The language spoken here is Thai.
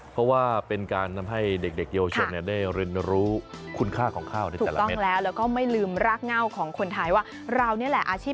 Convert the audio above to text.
เพราะว่าเป็นการให้เด็กโยชนได้เรียนรู้